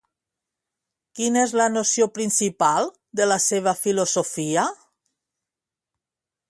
Quina és la noció principal de la seva filosofia?